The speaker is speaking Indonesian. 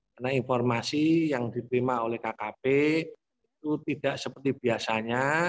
karena informasi yang diterima oleh kkp itu tidak seperti biasanya